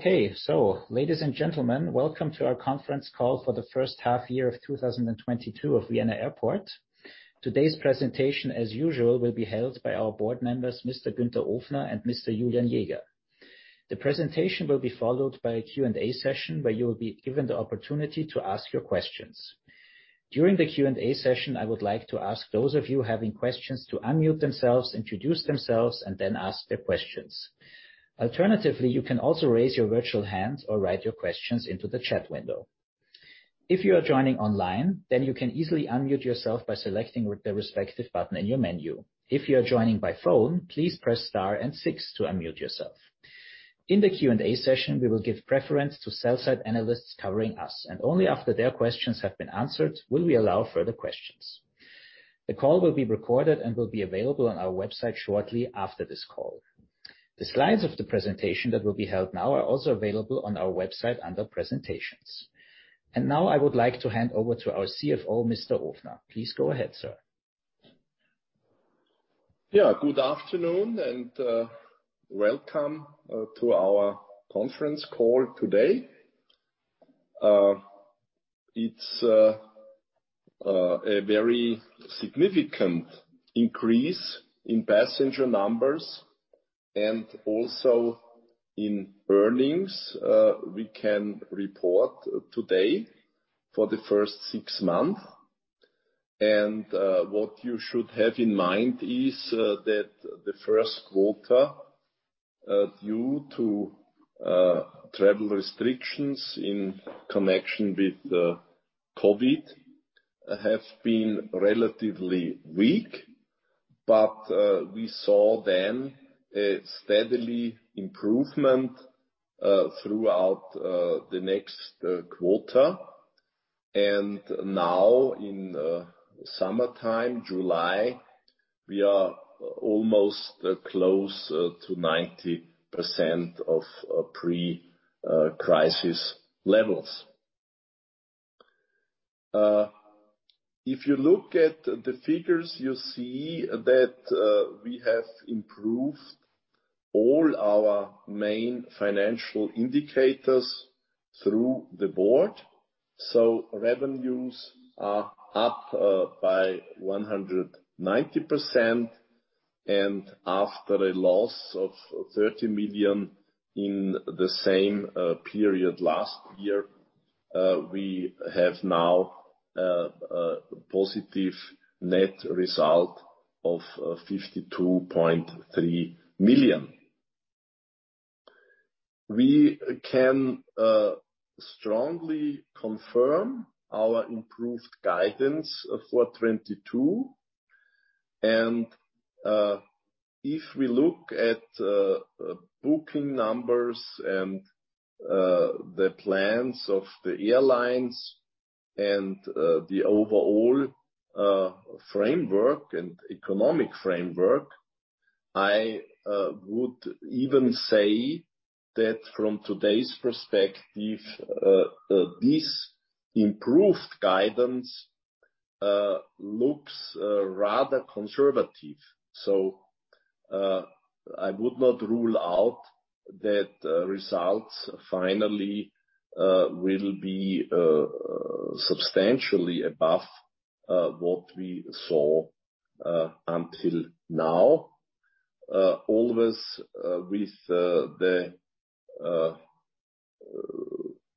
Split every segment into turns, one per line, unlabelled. Okay. Ladies and gentlemen, Welcome To Our Conference Call For The First Half Year of 2022 of Vienna Airport. Today's presentation, as usual, will be held by our board members, Mr. Günther Ofner and Mr. Julian Jäger. The presentation will be followed by a Q&A session where you will be given the opportunity to ask your questions. During the Q&A session, I would like to ask those of you having questions to unmute themselves, introduce themselves, and then ask their questions. Alternatively, you can also raise your virtual hand or write your questions into the chat window. If you are joining online, then you can easily unmute yourself by selecting the respective button in your menu. If you are joining by phone, please press star and six to unmute yourself. In the Q&A session, we will give preference to sell-side analysts covering us, and only after their questions have been answered will we allow further questions. The call will be recorded and will be available on our website shortly after this call. The slides of the presentation that will be held now are also available on our website under presentations. Now I would like to hand over to our CFO, Mr. Ofner. Please go ahead, sir.
Yeah. Good afternoon and, welcome, to our conference call today. It's a very significant increase in passenger numbers and also in earnings, we can report today for the first six months. What you should have in mind is, that the first quarter, due to, travel restrictions in connection with, COVID have been relatively weak, but, we saw then a steadily improvement, throughout, the next, quarter. Now in, summertime, July, we are almost close, to 90% of, pre-crisis levels. If you look at the figures, you see that, we have improved all our main financial indicators through the board. Revenues are up by 190% and after a loss of 30 million in the same period last year, we have now positive net result of 52.3 million. We can strongly confirm our improved guidance for 2022. If we look at booking numbers and the plans of the airlines and the overall framework and economic framework, I would even say that from today's perspective this improved guidance looks rather conservative. I would not rule out that results finally will be substantially above what we saw until now. Always with the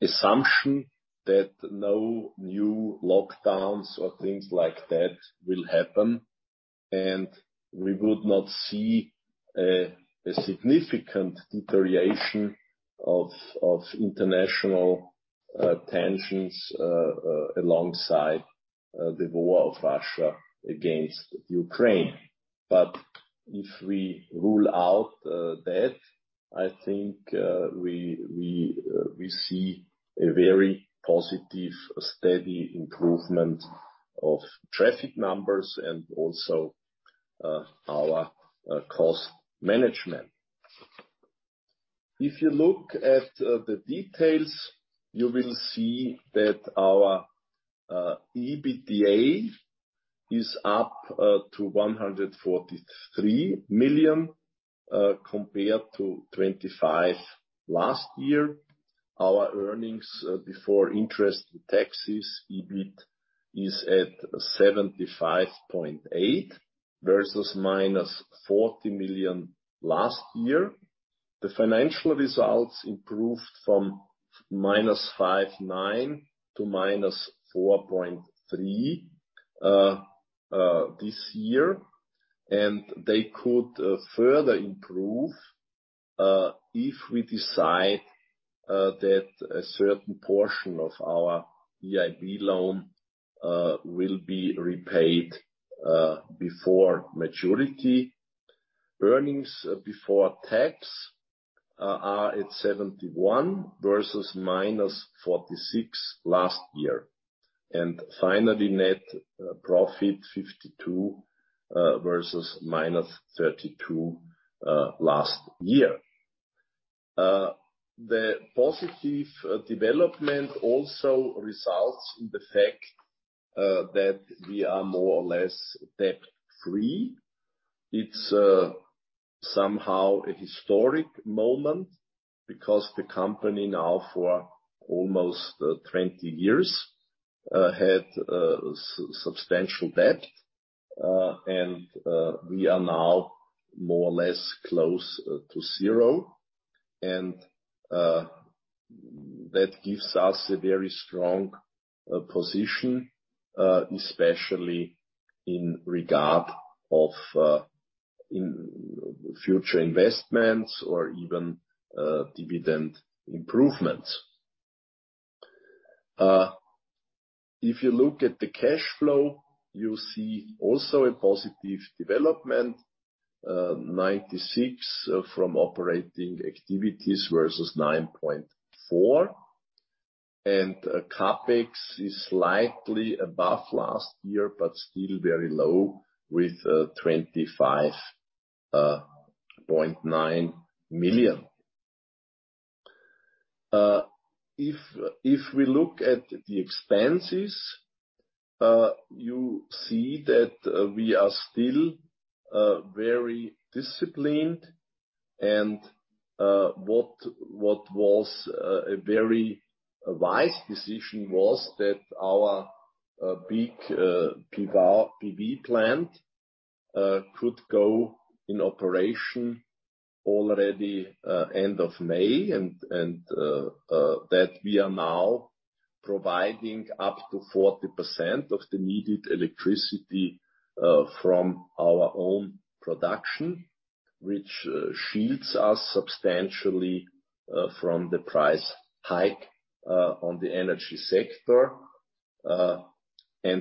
assumption that no new lockdowns or things like that will happen, and we would not see a significant deterioration of international tensions alongside the war of Russia against Ukraine. If we rule out that, I think we see a very positive, steady improvement of traffic numbers and also our cost management. If you look at the details, you will see that our EBITDA is up to 143 million compared to 25 million last year. Our earnings before interest and taxes, EBIT, is at 75.8 versus -40 million last year. The financial results improved from -59 to -4.3 this year, and they could further improve if we decide that a certain portion of our EIB loan will be repaid before maturity. Earnings before tax are at 71 versus -46 last year. Finally, net profit 52 versus -32 last year. The positive development also results in the fact that we are more or less debt-free. It's somehow a historic moment because the company now for almost 20 years had substantial debt. We are now more or less close to zero. That gives us a very strong position, especially in regard to future investments or even dividend improvements. If you look at the cash flow, you see also a positive development, 96 from operating activities versus 9.4. CapEx is slightly above last year, but still very low with 25.9 million. If we look at the expenses, you see that we are still very disciplined. What was a very wise decision was that our big PV plant could go in operation already end of May, and that we are now providing up to 40% of the needed electricity from our own production, which shields us substantially from the price hike on the energy sector.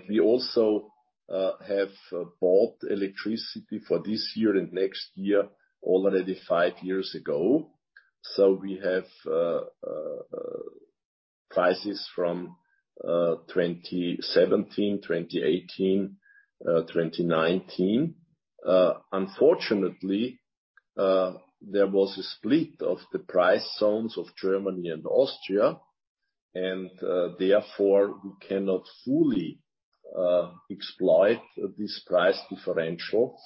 We also have bought electricity for this year and next year, already five years ago. We have prices from 2017, 2018, 2019. Unfortunately, there was a split of the price zones of Germany and Austria, and therefore, we cannot fully exploit this price differential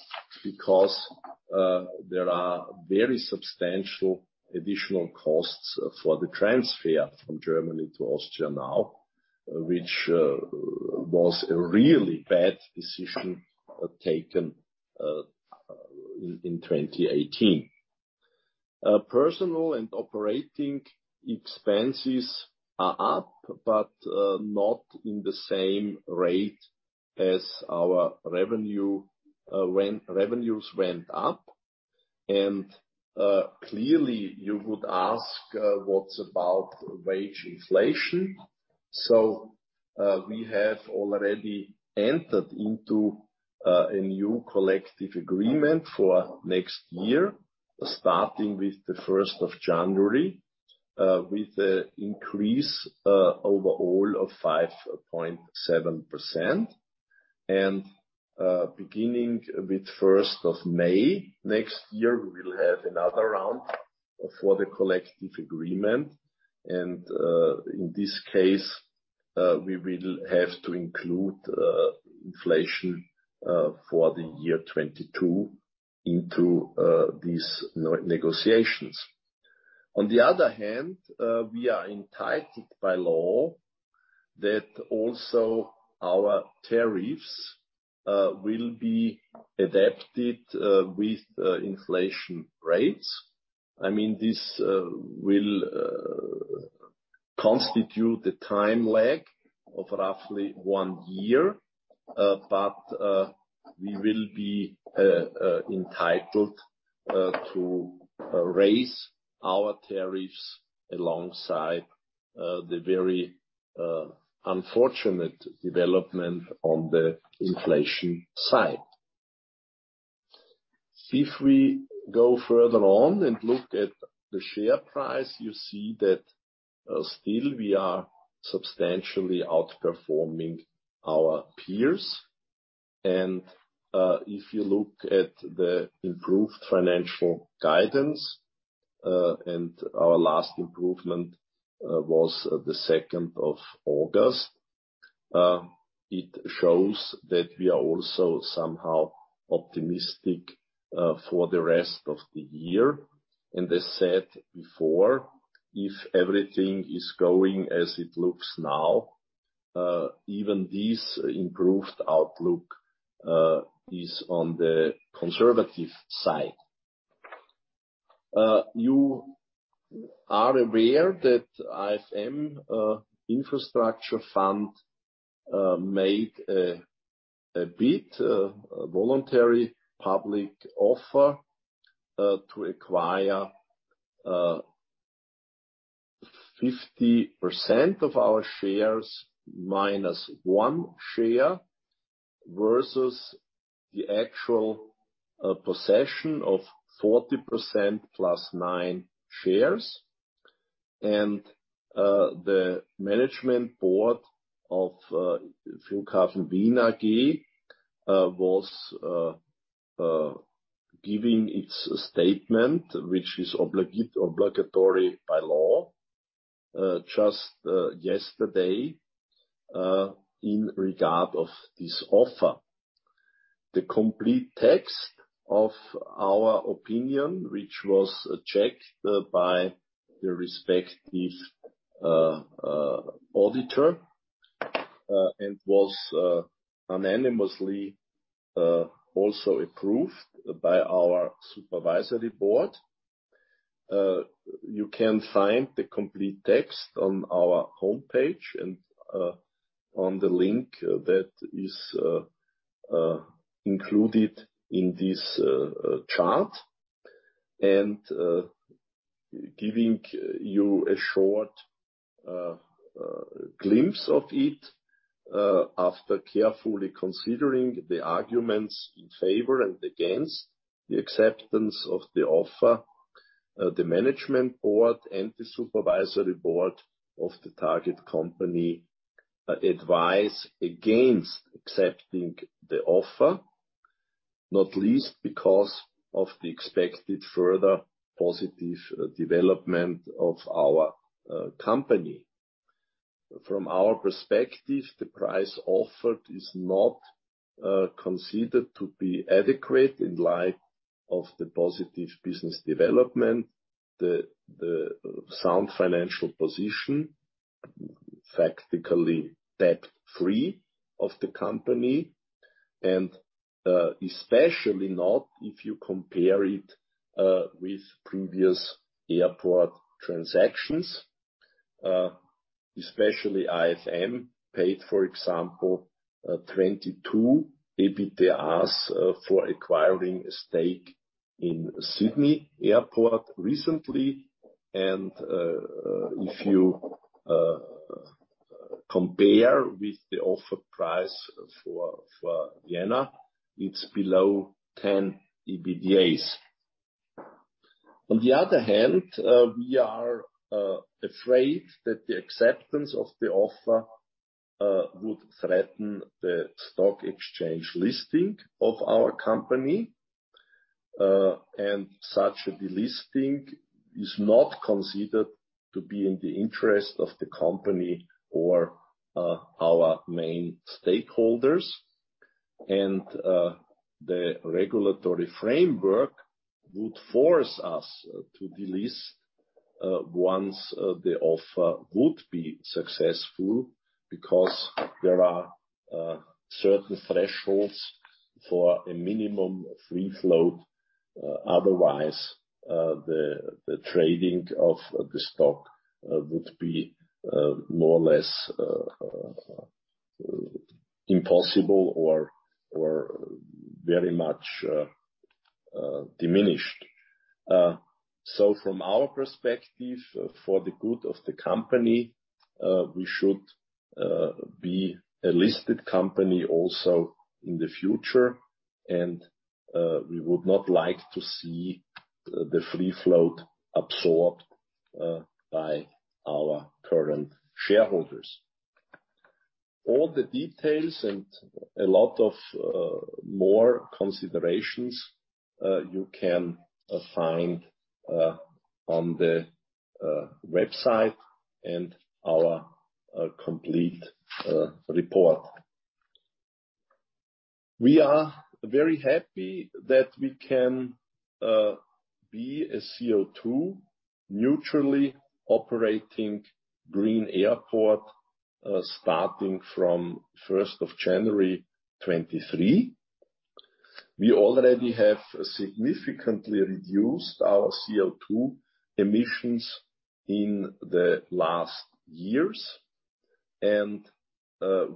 because there are very substantial additional costs for the transfer from Germany to Austria now, which was a really bad decision taken in 2018. Personnel and operating expenses are up, but not in the same rate as our revenue when revenues went up. Clearly you would ask what about wage inflation? We have already entered into a new collective agreement for next year, starting with the first of January, with an increase overall of 5.7%. Beginning with first of May next year, we will have another round for the collective agreement. In this case, we will have to include inflation for the year 2022 into these negotiations. On the other hand, we are entitled by law that also our tariffs will be adapted with inflation rates. I mean, this will constitute a time lag of roughly one year, but we will be entitled to raise our tariffs alongside the very unfortunate development on the inflation side. If we go further on and look at the share price, you see that still we are substantially outperforming our peers. If you look at the improved financial guidance and our last improvement was the second of August, it shows that we are also somehow optimistic for the rest of the year. I said before, if everything is going as it looks now, even this improved outlook is on the conservative side. You are aware that IFM Infrastructure Fund made a bid, a voluntary public offer to acquire 50% of our shares minus one share versus the actual possession of 40% plus nine shares. The management board of Flughafen Wien AG was giving its statement, which is obligatory by law. Just yesterday, in regard of this offer. The complete text of our opinion, which was checked by the respective auditor and was unanimously also approved by our supervisory board. You can find the complete text on our homepage and on the link that is included in this chart. Giving you a short glimpse of it, after carefully considering the arguments in favor and against the acceptance of the offer, the management board and the supervisory board of the target company advise against accepting the offer, not least because of the expected further positive development of our company. From our perspective, the price offered is not considered to be adequate in light of the positive business development, the sound financial position, factually debt-free of the company, and especially not if you compare it with previous airport transactions. Especially IFM paid, for example, 22x EBITDA for acquiring a stake in Sydney Airport recently. If you compare with the offer price for Vienna, it's below 10x EBITDA. On the other hand, we are afraid that the acceptance of the offer would threaten the stock exchange listing of our company, and such a delisting is not considered to be in the interest of the company or our main stakeholders. The regulatory framework would force us to delist once the offer would be successful, because there are certain thresholds for a minimum free float. Otherwise, the trading of the stock would be more or less diminished. From our perspective, for the good of the company, we should be a listed company also in the future, and we would not like to see the free float absorbed by our current shareholders. All the details and a lot of more considerations you can find on the website and our complete report. We are very happy that we can be a CO2-neutral operating green airport starting from first of January 2023. We already have significantly reduced our CO2 emissions in the last years.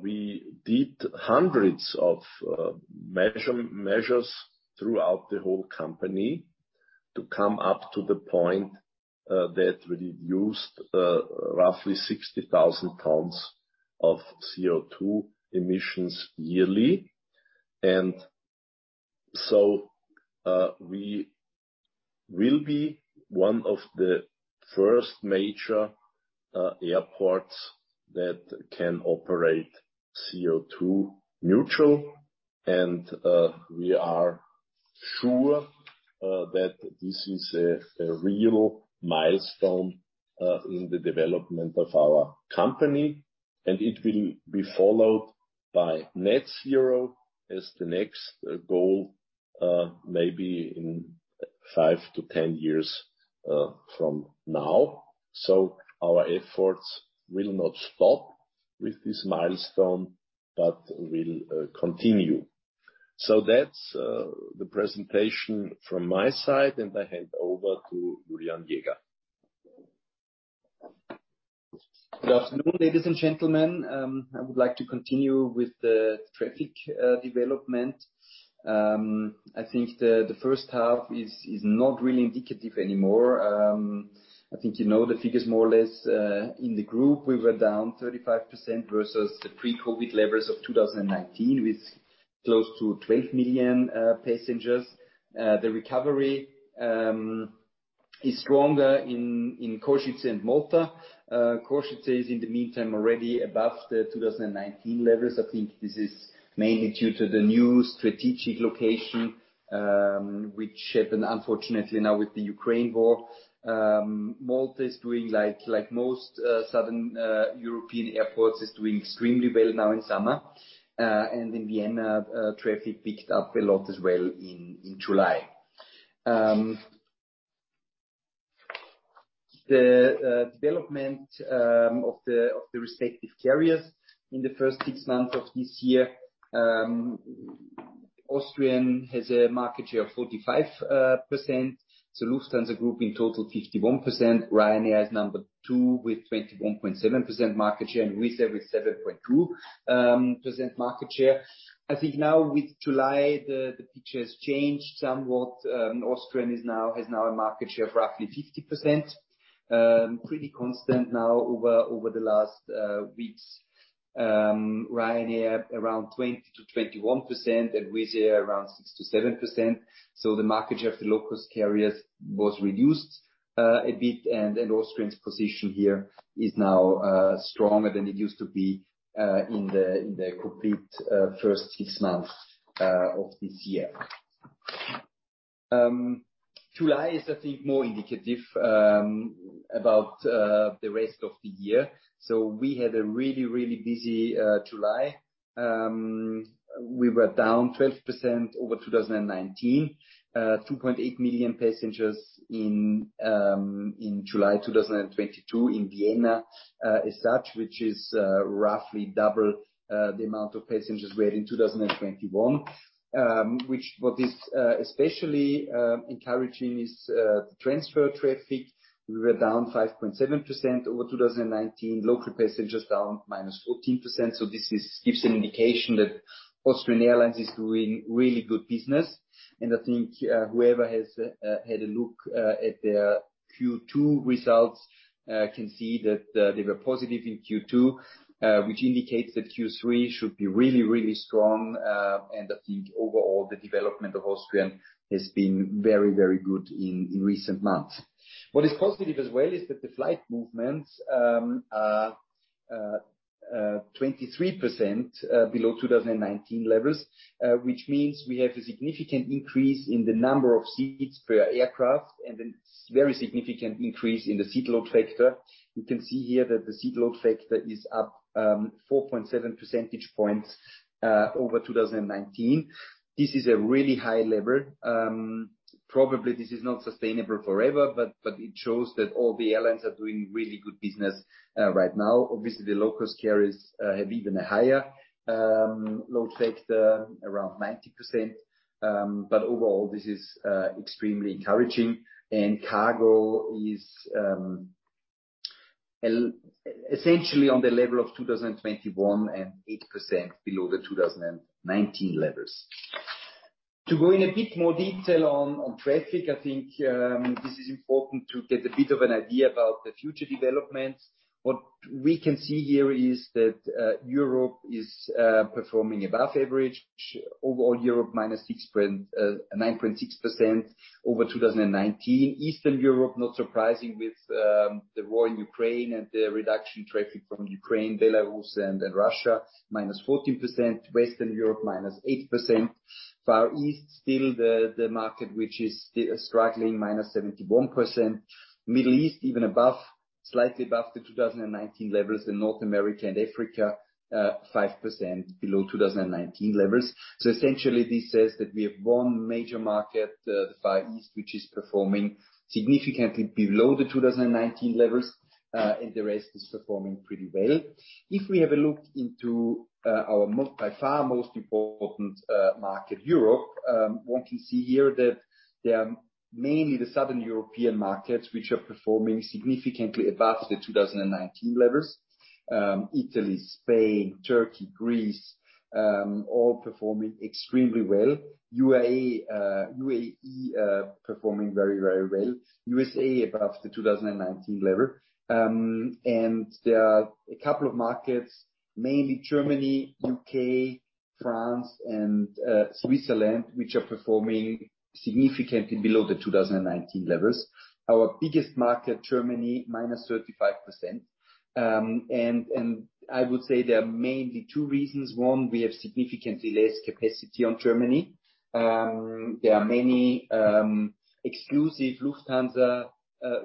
We did hundreds of measures throughout the whole company to come up to the point that reduced roughly 60,000 tons of CO2 emissions yearly. We will be one of the first major airports that can operate CO2 neutral. We are sure that this is a real milestone in the development of our company, and it will be followed by net zero as the next goal, maybe in 5-10 years from now. Our efforts will not stop with this milestone, but will continue. That's the presentation from my side, and I hand over to Julian Jäger.
Good afternoon, ladies and gentlemen. I would like to continue with the traffic development. I think the first half is not really indicative anymore. I think you know the figures more or less in the group. We were down 35% versus the pre-COVID levels of 2019, with close to 12 million passengers. The recovery is stronger in Kosice and Malta. Kosice is in the meantime already above the 2019 levels. I think this is mainly due to the new strategic location, which happened unfortunately now with the Ukraine war. Malta is doing like most Southern European airports, is doing extremely well now in summer. And in Vienna, traffic picked up a lot as well in July. The development of the respective carriers in the first six months of this year, Austrian has a market share of 45%. Lufthansa Group in total 51%. Ryanair is number two with 21.7% market share, and Wizz Air with 7.2% market share. I think now with July, the picture has changed somewhat. Austrian has a market share of roughly 50%. Pretty constant now over the last weeks. Ryanair around 20-21% and Wizz Air around 6-7%. The market share of the low-cost carriers was reduced a bit, and Austrian's position here is now stronger than it used to be in the complete first six months of this year. July is I think more indicative about the rest of the year. We had a really busy July. We were down 12% over 2019. 2.8 million passengers in July 2022 in Vienna as such, which is roughly double the amount of passengers we had in 2021. What is especially encouraging is the transfer traffic. We were down 5.7% over 2019. Local passengers down -14%, so this gives an indication that Austrian Airlines is doing really good business. I think whoever has had a look at their Q2 results can see that they were positive in Q2, which indicates that Q3 should be really, really strong. I think overall the development of Austrian has been very, very good in recent months. What is positive as well is that the flight movements 23% below 2019 levels, which means we have a significant increase in the number of seats per aircraft and then very significant increase in the seat load factor. You can see here that the seat load factor is up 4.7 percentage points over 2019. This is a really high level. Probably this is not sustainable forever, but it shows that all the airlines are doing really good business right now. Obviously, the low-cost carriers have even a higher load factor, around 90%. Overall, this is extremely encouraging. Cargo is essentially on the level of 2021 and 8% below the 2019 levels. To go into a bit more detail on traffic, I think this is important to get a bit of an idea about the future developments. What we can see here is that Europe is performing above average. Overall Europe -9.6% over 2019. Eastern Europe, not surprising with the war in Ukraine and the reduction in traffic from Ukraine, Belarus and then Russia, -14%. Western Europe, -8%. Far East, still the market which is struggling, -71%. Middle East, even above, slightly above the 2019 levels. In North America and Africa, 5% below 2019 levels. Essentially this says that we have one major market, the Far East, which is performing significantly below the 2019 levels, and the rest is performing pretty well. If we have a look into our by far most important market, Europe, what we see here that there are mainly the Southern European markets which are performing significantly above the 2019 levels. Italy, Spain, Turkey, Greece, all performing extremely well. UAE performing very, very well. USA above the 2019 level. There are a couple of markets, mainly Germany, U.K., France and Switzerland, which are performing significantly below the 2019 levels. Our biggest market, Germany, -35%. I would say there are mainly two reasons. One, we have significantly less capacity on Germany. There are many exclusive Lufthansa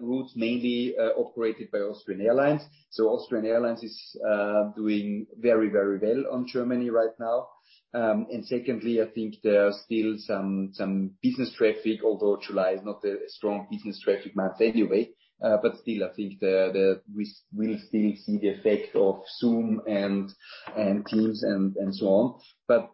routes mainly operated by Austrian Airlines. Austrian Airlines is doing very, very well on Germany right now. Secondly, I think there are still some business traffic, although July is not a strong business traffic month anyway. Still I think we'll still see the effect of Zoom and Teams and so on.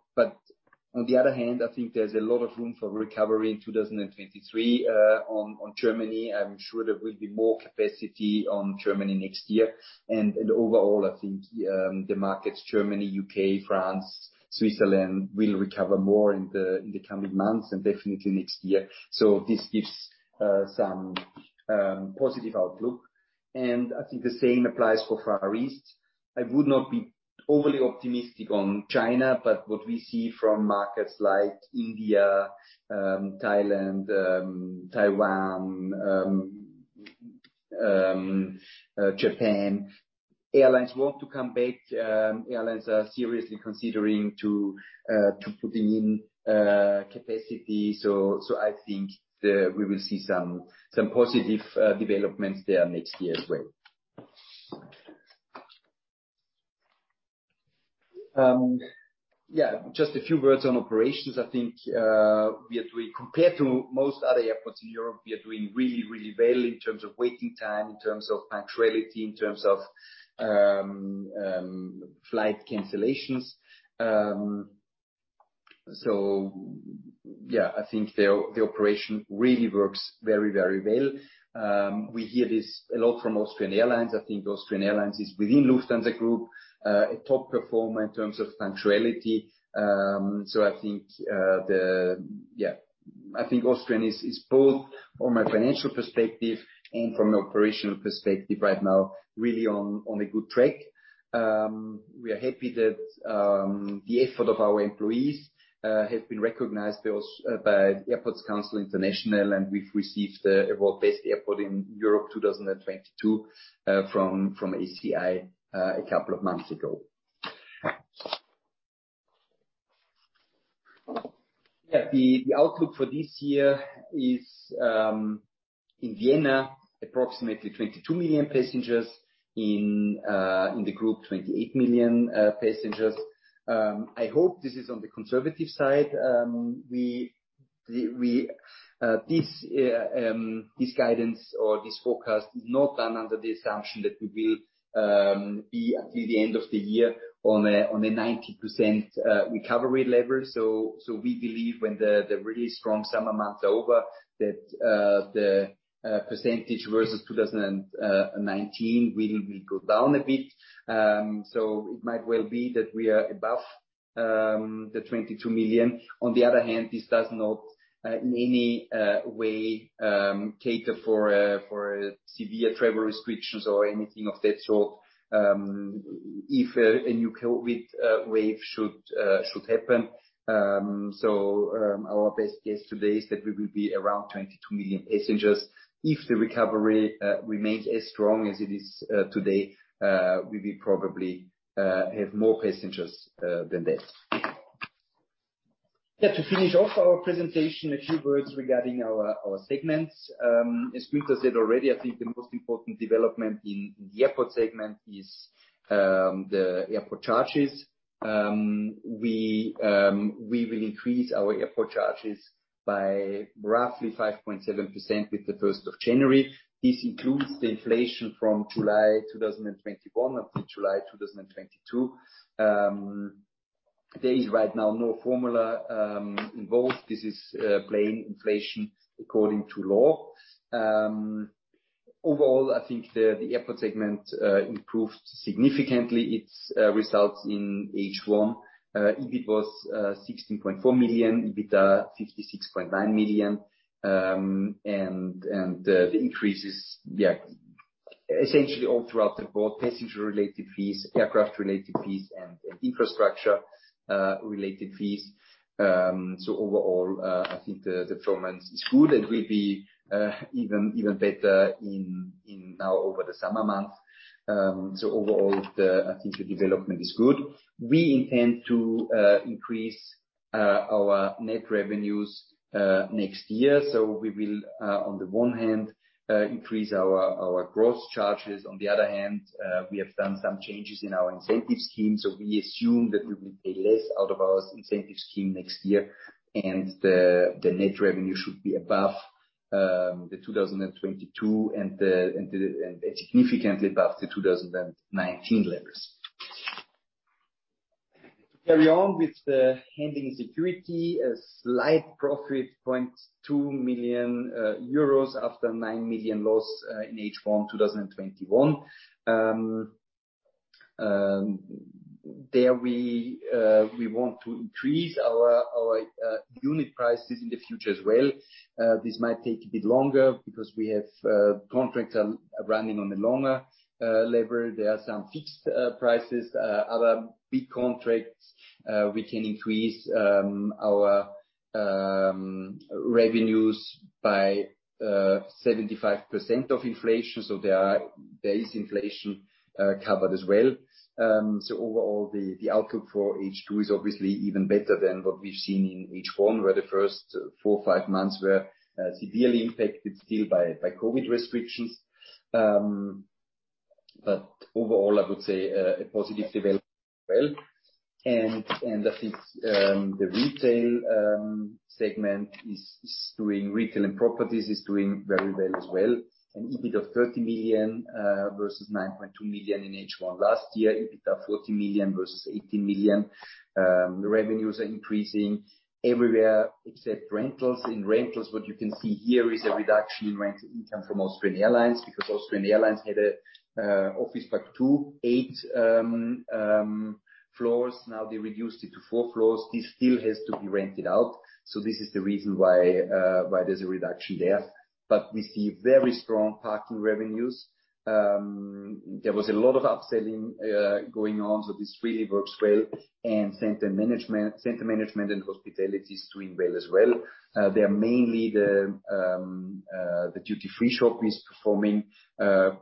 On the other hand, I think there's a lot of room for recovery in 2023 on Germany. I'm sure there will be more capacity to Germany next year. Overall, I think the markets Germany, U.K., France, Switzerland will recover more in the coming months and definitely next year. This gives some positive outlook. I think the same applies for Far East. I would not be overly optimistic on China, but what we see from markets like India, Thailand, Taiwan, Japan, airlines want to come back. Airlines are seriously considering to putting in capacity. I think we will see some positive developments there next year as well. Yeah, just a few words on operations. I think we are doing. Compared to most other airports in Europe, we are doing really, really well in terms of waiting time, in terms of punctuality, in terms of flight cancellations. Yeah, I think the operation really works very, very well. We hear this a lot from Austrian Airlines. I think Austrian Airlines is within Lufthansa Group, a top performer in terms of punctuality. I think Austrian is both from a financial perspective and from an operational perspective right now, really on a good track. We are happy that the effort of our employees has been recognized by Airports Council International, and we've received award Best Airport in Europe 2022 from ACI a couple of months ago. Yeah. The outlook for this year is in Vienna, approximately 22 million passengers. In the group, 28 million passengers. I hope this is on the conservative side. This guidance or this forecast is not done under the assumption that we will be until the end of the year on a 90% recovery level. We believe when the really strong summer months are over that the percentage versus 2019 really will go down a bit. It might well be that we are above the 22 million. On the other hand, this does not in any way cater for severe travel restrictions or anything of that sort, if a new COVID wave should happen. Our best guess today is that we will be around 22 million passengers. If the recovery remains as strong as it is today, we will probably have more passengers than this. Yeah. To finish off our presentation, a few words regarding our segments. As Günther said already, I think the most important development in the airport segment is the airport charges. We will increase our airport charges by roughly 5.7% with the first of January. This includes the inflation from July 2021 up to July 2022. There is right now no formula involved. This is plain inflation according to law. Overall, I think the airport segment improved significantly its results in H1. EBIT was 16.4 million, EBITDA 56.9 million. The increases essentially across the board, passenger related fees, aircraft related fees and infrastructure related fees. Overall, I think the performance is good and will be even better now over the summer months. Overall, I think the development is good. We intend to increase our net revenues next year, so we will, on the one hand, increase our gross charges. On the other hand, we have done some changes in our incentive scheme, so we assume that we will pay less out of our incentive scheme next year, and the net revenue should be above the 2022, and significantly above the 2019 levels. To carry on with the handling and security, a slight profit, 0.2 million euros, after 9 million euros loss in H1 2021. Therefore we want to increase our unit prices in the future as well. This might take a bit longer because we have contracts running on a longer level. There are some fixed prices. Other big contracts, we can increase our revenues by 75% of inflation. There is inflation covered as well. Overall the outlook for H2 is obviously even better than what we've seen in H1, where the first 4 or 5 months were severely impacted still by COVID restrictions. Overall I would say a positive development as well. I think Retail and properties is doing very well as well. An EBIT of 30 million versus 9.2 million in H1 last year. EBITDA 40 million versus 18 million. Revenues are increasing everywhere except rentals. In rentals, what you can see here is a reduction in rental income from Austrian Airlines because Austrian Airlines had an office block 28 floors. Now they reduced it to 4 floors. This still has to be rented out, so this is the reason why there's a reduction there. We see very strong parking revenues. There was a lot of upselling going on, so this really works well. Center management and hospitality is doing well as well. They are mainly the duty-free shop is performing better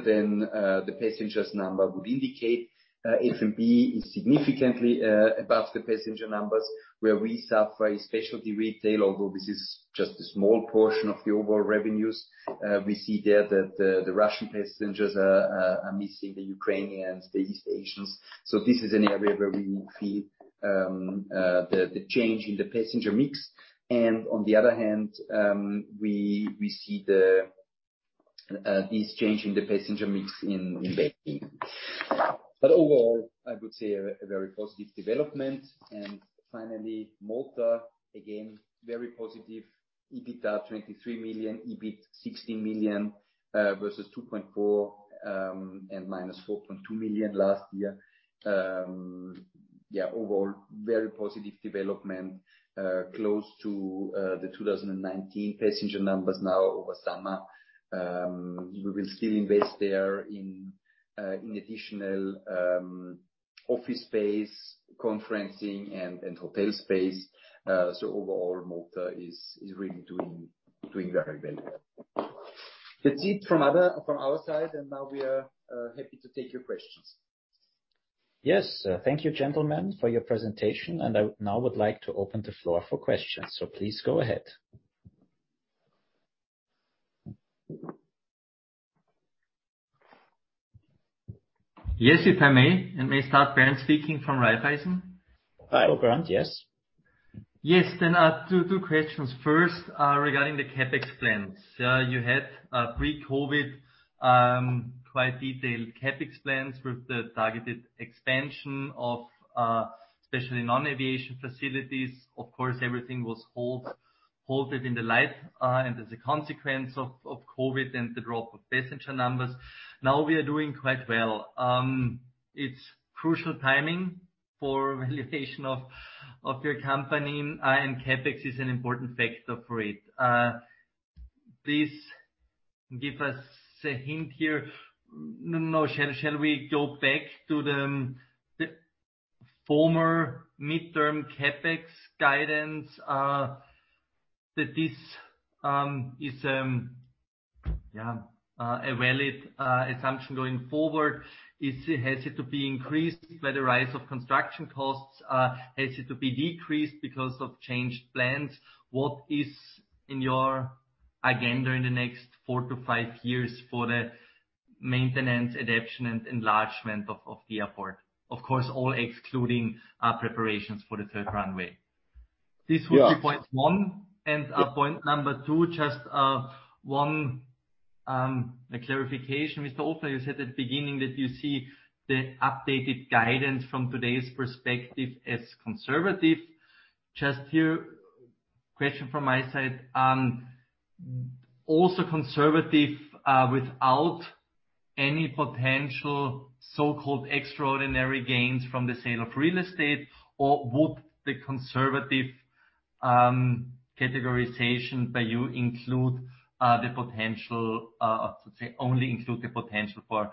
than the passenger numbers would indicate. F&B is significantly above the passenger numbers, where we suffer is specialty retail, although this is just a small portion of the overall revenues. We see there that the Russian passengers, the Ukrainians, the East Asians are missing. This is an area where we will feel the change in the passenger mix. On the other hand, we see this change in the passenger mix in F&B. Overall, I would say a very positive development. Finally, Malta, again, very positive. EBITDA 23 million, EBIT 16 million, versus 2.4 and -4.2 million last year. Yeah, overall very positive development, close to the 2019 passenger numbers now over summer. We will still invest there in additional office space, conferencing, and hotel space. So overall, Malta is really doing very well. That's it from our side, and now we are happy to take your questions.
Yes. Thank you, gentlemen, for your presentation. I now would like to open the floor for questions. Please go ahead.
Yes, if I may start. Bernd speaking from Raiffeisen.
Hi, over. Yes.
Yes. 2 questions. First, regarding the CapEx plans. You had pre-COVID quite detailed CapEx plans with the targeted expansion of especially non-aviation facilities. Of course, everything was halted in light of COVID and the drop of passenger numbers. Now we are doing quite well. It's crucial timing for valuation of your company, and CapEx is an important factor for it. Please give us a hint here. Shall we go back to the former midterm CapEx guidance? That this is a valid assumption going forward. Has it to be increased by the rise of construction costs? Has it to be decreased because of changed plans? What is in your agenda in the next 4-5 years for the maintenance, adaptation, and enlargement of the airport? Of course, all excluding preparations for the third runway.
Yeah.
This would be point one. Point number two, just one clarification. Günther Ofner, you said at the beginning that you see the updated guidance from today's perspective as conservative. Just here, question from my side. Also conservative, without any potential so-called extraordinary gains from the sale of real estate? Or would the conservative categorization by you include only the potential for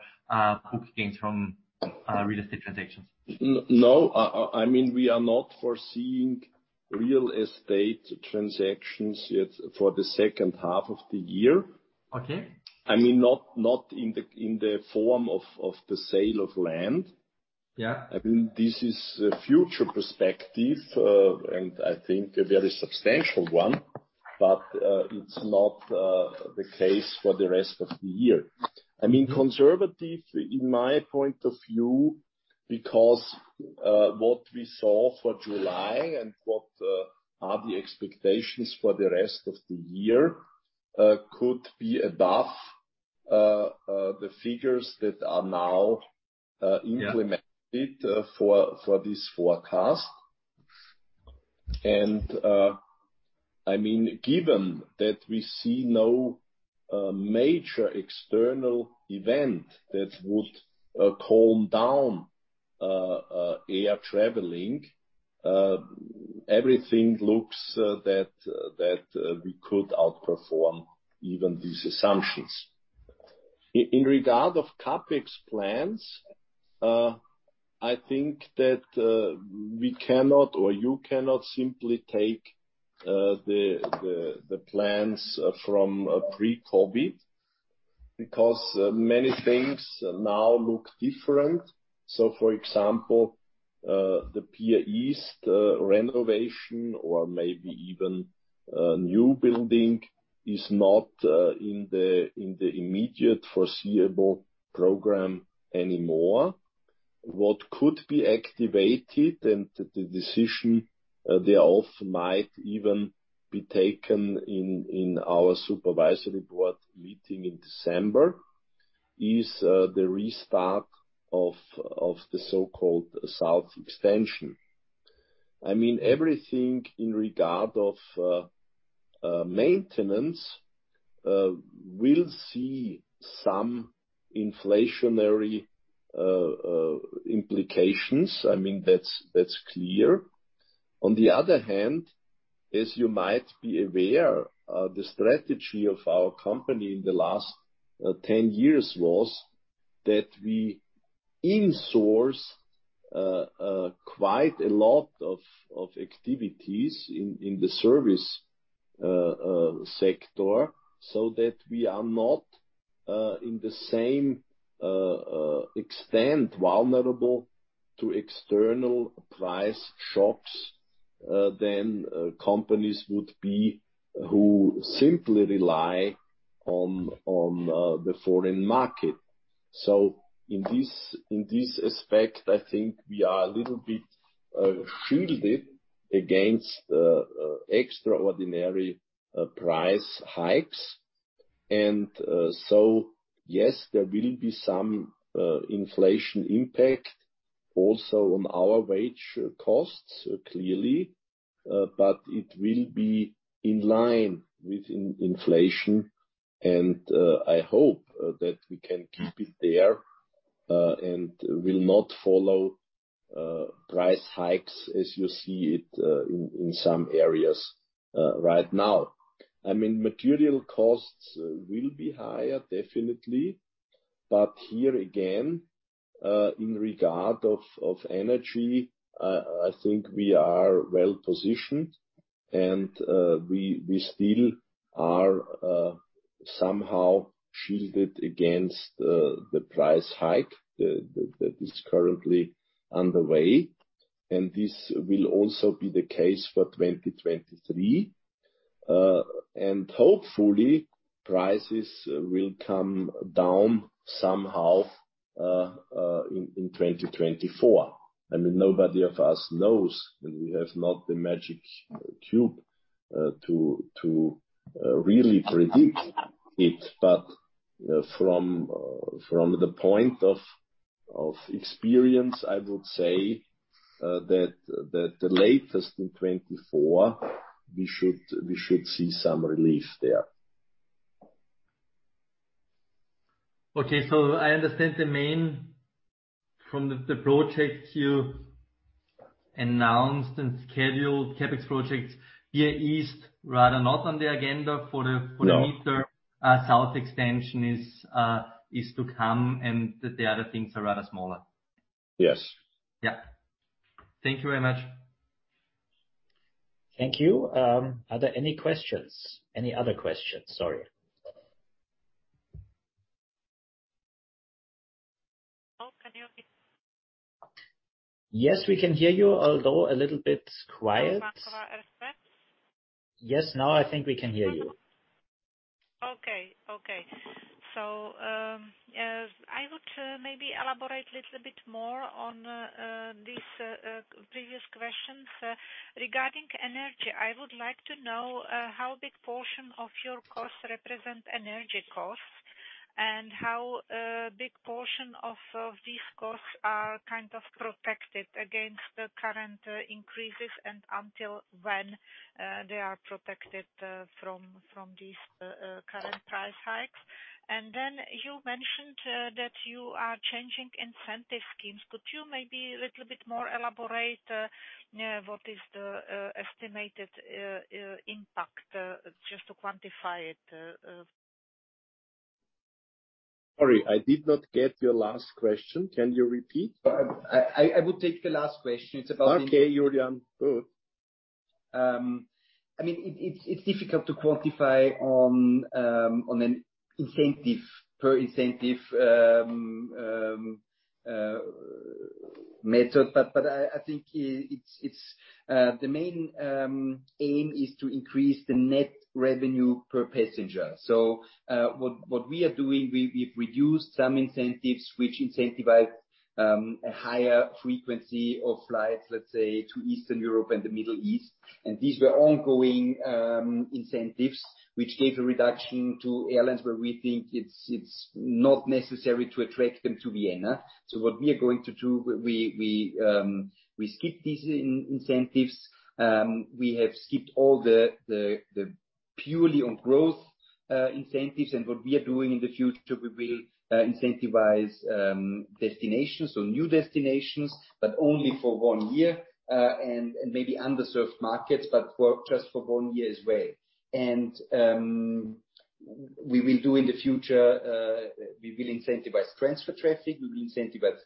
book gains from real estate transactions?
No. I mean, we are not foreseeing real estate transactions yet for the second half of the year.
Okay.
I mean, not in the form of the sale of land.
Yeah.
I mean, this is a future perspective, and I think a very substantial one, but it's not the case for the rest of the year. I mean, conservative in my point of view, because what we saw for July and what are the expectations for the rest of the year could be above the figures that are now implemented.
Yeah.
For this forecast. I mean, given that we see no major external event that would calm down air traveling, everything looks that we could outperform even these assumptions. In regard of CapEx plans, I think that we cannot or you cannot simply take the plans from pre-COVID because many things now look different. For example, the Pier East renovation or maybe even a new building is not in the immediate foreseeable program anymore. What could be activated, and the decision thereof might even be taken in our supervisory board meeting in December, is the restart of the so-called south extension. I mean, everything in regard of maintenance will see some inflationary implications. I mean, that's clear. On the other hand, as you might be aware, the strategy of our company in the last 10 years was that we insourced quite a lot of activities in the service sector, so that we are not in the same extent vulnerable to external price shocks as companies would be who simply rely on the foreign market. So in this aspect, I think we are a little bit shielded against extraordinary price hikes. Yes, there will be some inflation impact also on our wage costs, clearly, but it will be in line with inflation, and I hope that we can keep it there and will not follow price hikes as you see it in some areas right now. I mean, material costs will be higher, definitely. Here again, in regard of energy, I think we are well positioned and we still are somehow shielded against the price hike that is currently underway. This will also be the case for 2023. Hopefully prices will come down somehow in 2024. I mean, nobody of us knows, and we have not the crystal ball to really predict it. From the point of experience, I would say that the latest in 2024 we should see some relief there.
Okay. I understand the main from the projects you announced and scheduled CapEx projects VIE East rather not on the agenda for the-
No.
For the mid-term, South extension is to come and the other things are rather smaller.
Yes.
Yeah. Thank you very much.
Thank you. Are there any questions? Any other questions? Sorry.
Oh, can you
Yes, we can hear you, although a little bit quiet. Yes. Now I think we can hear you.
Yes, I would maybe elaborate little bit more on these previous questions. Regarding energy, I would like to know how big portion of your costs represent energy costs and how big portion of these costs are kind of protected against the current increases and until when they are protected from these current price hikes. You mentioned that you are changing incentive schemes. Could you maybe a little bit more elaborate what is the estimated impact just to quantify it.
Sorry, I did not get your last question. Can you repeat?
I will take the last question. It's about.
Okay, Julian. Good.
I mean, it's difficult to quantify on an incentive per incentive method, but I think it's the main aim is to increase the net revenue per passenger. What we are doing, we've reduced some incentives which incentivize a higher frequency of flights, let's say, to Eastern Europe and the Middle East. These were ongoing incentives which gave a reduction to airlines where we think it's not necessary to attract them to Vienna. What we are going to do, we skip these incentives. We have skipped all the purely on growth incentives. What we are doing in the future, we will incentivize destinations, so new destinations, but only for one year, and maybe underserved markets, but just for one year as well. We will do in the future, we will incentivize transfer traffic. We will incentivize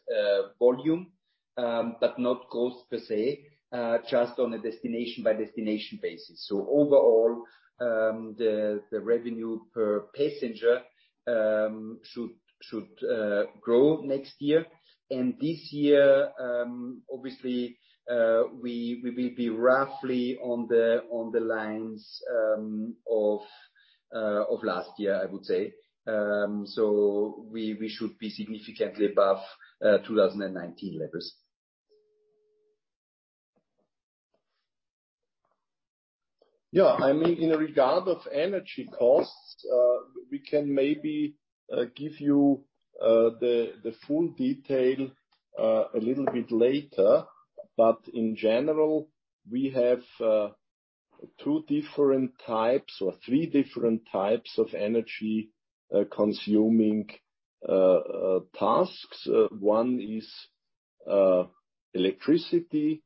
volume, but not growth per se, just on a destination by destination basis. Overall, the revenue per passenger should grow next year. This year, obviously, we will be roughly on the lines of last year, I would say. We should be significantly above 2019 levels.
Yeah. I mean, in regard of energy costs, we can maybe give you the full detail a little bit later. In general, we have two different types or three different types of energy consuming tasks. One is electricity.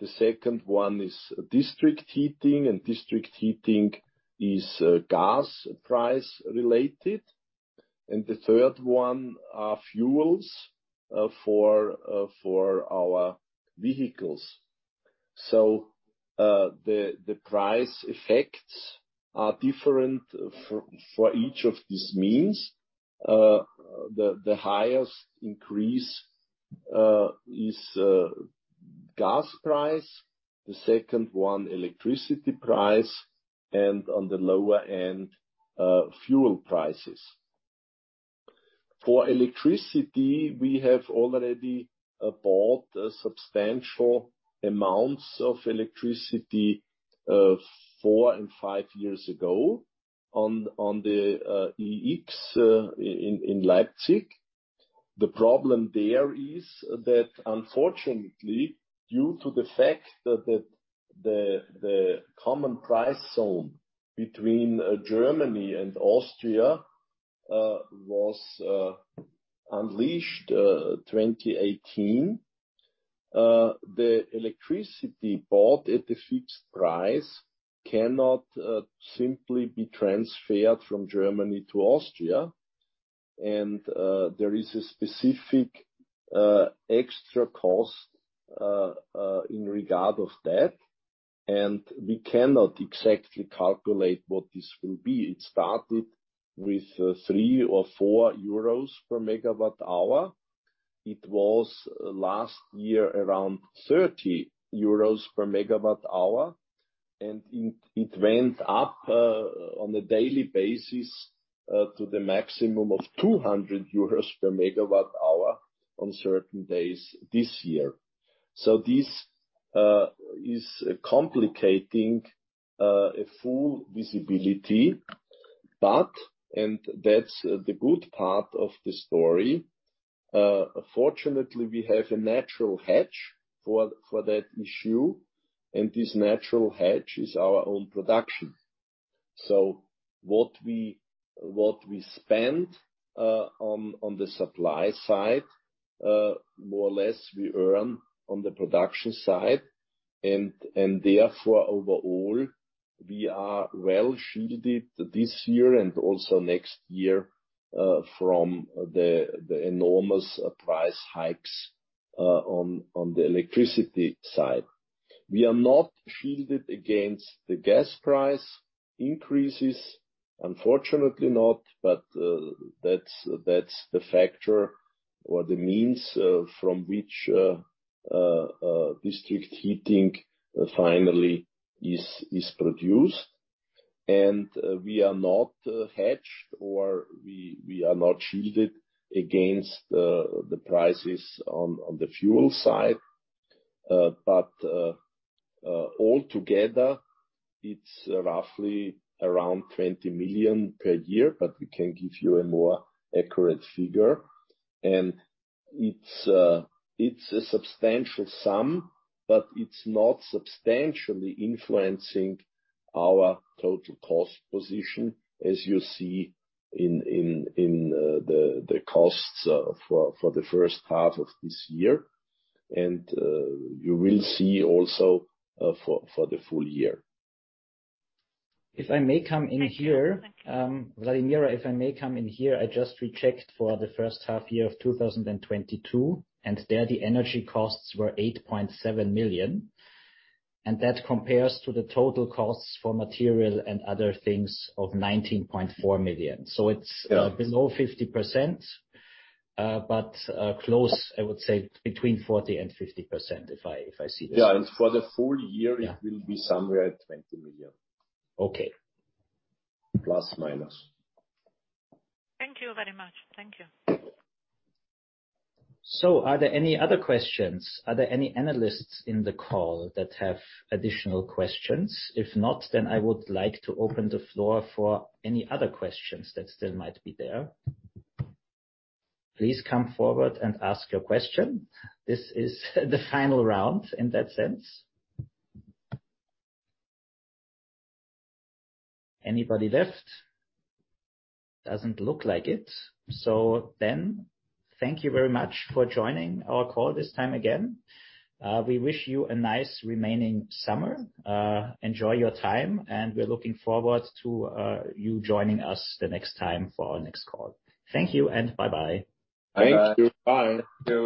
The second one is district heating, and district heating is gas price related. The third one are fuels for our vehicles. The price effects are different for each of these means. The highest increase is gas price. The second one electricity price and on the lower end, fuel prices. For electricity, we have already bought a substantial amounts of electricity 4 and 5 years ago on the EEX in Leipzig. The problem there is that unfortunately, due to the fact that the common price zone between Germany and Austria was abolished 2018. The electricity bought at a fixed price cannot simply be transferred from Germany to Austria. There is a specific extra cost in regard of that. We cannot exactly calculate what this will be. It started with 3 or 4 euros per megawatt hour. It was last year around 30 euros per megawatt hour, and it went up on a daily basis to the maximum of 200 euros per megawatt hour on certain days this year. This is complicating a full visibility. That's the good part of the story. Fortunately we have a natural hedge for that issue, and this natural hedge is our own production. What we spend on the supply side, more or less we earn on the production side. Therefore overall we are well shielded this year and also next year from the enormous price hikes on the electricity side. We are not shielded against the gas price increases. Unfortunately not, but that's the factor or the means from which district heating finally is produced. We are not hedged or we are not shielded against the prices on the fuel side. All together it's roughly around 20 million per year, but we can give you a more accurate figure. It's a substantial sum, but it's not substantially influencing our total cost position as you see in the costs for the first half of this year. You will see also for the full year.
If I may come in here, Vladimir. I just rechecked for the first half year of 2022, and there the energy costs were 8.7 million. That compares to the total costs for material and other things of 19.4 million.
Yeah.
Below 50%, but close, I would say between 40% and 50% if I see this.
Yeah. For the full year.
Yeah.
It will be somewhere at 20 million.
Okay.
Plus minus.
Thank you very much. Thank you.
Are there any other questions? Are there any Analysts in the call that have additional questions? If not, then I would like to open the floor for any other questions that still might be there. Please come forward and ask your question. This is the final round in that sense. Anybody left? Doesn't look like it. Thank you very much for joining our call this time again. We wish you a nice remaining summer. Enjoy your time, and we're looking forward to you joining us the next time for our next call. Thank you and bye-bye.
Thank you. Bye.
Thank you.